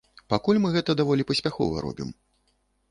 Пакуль мы гэта даволі паспяхова робім.